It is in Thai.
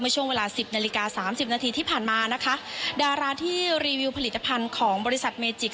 เชิญครับ